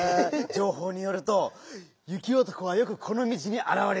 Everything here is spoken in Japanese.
じょうほうによるとゆきおとこはよくこのみちにあらわれるらしい。